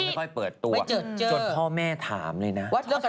ไม่ค่อยเปิดตัวจนพ่อแม่ถามเลยนะ